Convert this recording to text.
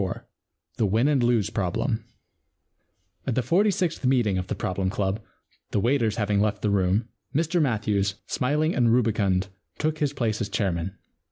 IV THE WIN AND LOSE PROBLEM At the forty sixth meeting of the Problem Club, the waiters having left the room, Mr Matthews, smiling and rubicund, took his place as chairman.